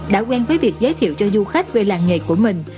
đã quen với việc giới thiệu cho du khách về làng nghề của mình